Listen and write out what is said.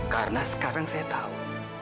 karena sekarang saya tahu